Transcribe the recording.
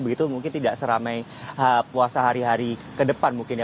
begitu mungkin tidak seramai puasa hari hari ke depan mungkin ya